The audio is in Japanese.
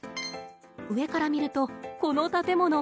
上から見るとこの建物。